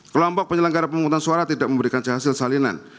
kelompok penyelenggara pemungutan suara tidak memberikan hasil salinan